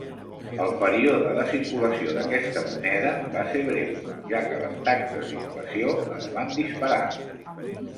El període de circulació d'aquesta moneda va ser breu, ja que les taxes d'inflació es van disparar.